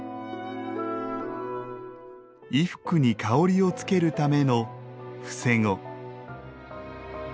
衣服に香りをつけるための「伏籠」。